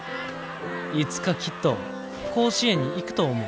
いつかきっと甲子園に行くと思う」。